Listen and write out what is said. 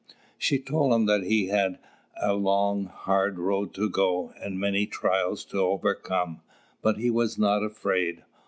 She told him that he had a long, hard road to go, and many trials to overcome; but he was not afraid.